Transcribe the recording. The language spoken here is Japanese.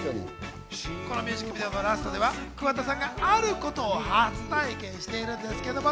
このミュージックビデオのラストでは桑田さんがあることを初体験しているんですけども。